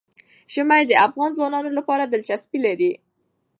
ژمی د افغان ځوانانو لپاره دلچسپي لري.